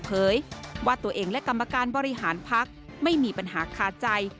เผยว่าตัวเองและกรรมการบริหารพักไม่มีปัญหาคาใจ